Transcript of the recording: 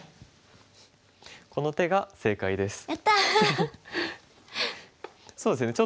この手が正解です。